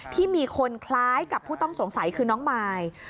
ที่มีคนคล้ายกับผู้ต้องสงสัยคือน้องมาย